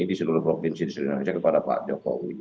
di seluruh provinsi indonesia kepada pak jokowi